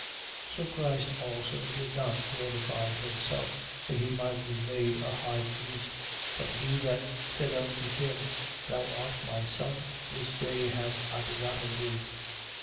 5:5. So Christ also did not glorify himself, that he might be made a high priest: but he that said unto him: Thou art my Son: this day have I begotten thee.